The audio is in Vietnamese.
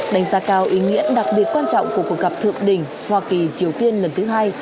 đánh giá cao ý nghĩa đặc biệt quan trọng của cuộc gặp thượng đỉnh hoa kỳ triều tiên lần thứ hai